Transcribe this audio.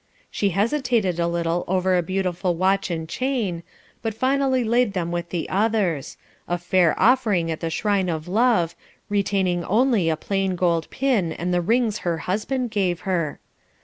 She hesitated a little over a beautiful watch and chain, but finally laid them with the others a fair offering at the shrine of love, retaining only a plain gold pin and the rings her husband gave her.